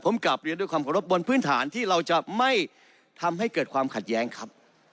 ผมกลับเรียนด้วยความขอรบบนพื้นฐานที่เราจะไม่ทำให้เกิดความขัดแย้งครับ